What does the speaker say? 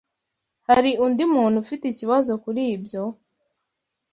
Hari undi muntu ufite ikibazo kuri ibyo?